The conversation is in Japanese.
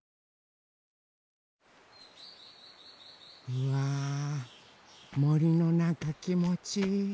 うわもりのなかきもちいい。